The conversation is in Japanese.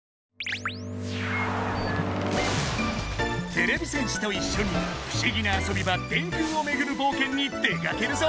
てれび戦士といっしょに不思議な遊び場電空をめぐる冒険に出かけるぞ！